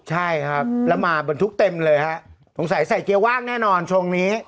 ใช่ครับแล้วมาบรรทุกเต็มเลยฮะสงสัยใส่เกียร์ว่างแน่นอนช่วงนี้